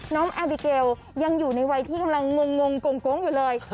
แอบิเกลยังอยู่ในวัยที่กำลังงงโก๊งอยู่เลย